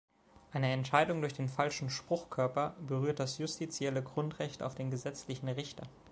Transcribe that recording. Eine Entscheidung durch den falschen Spruchkörper berührt das justizielle Grundrecht auf den gesetzlichen Richter.